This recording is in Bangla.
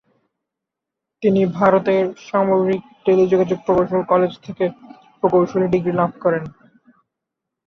তিনি ভারতের সামরিক টেলিযোগাযোগ প্রকৌশল কলেজ থেকে প্রকৌশলী ডিগ্রী লাভ করেন।